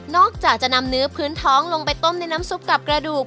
จากจะนำเนื้อพื้นท้องลงไปต้มในน้ำซุปกับกระดูก